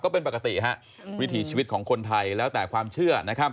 เป็นปกติฮะวิถีชีวิตของคนไทยแล้วแต่ความเชื่อนะครับ